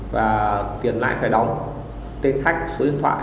và tiền lãi phải đóng tên khách số điện thoại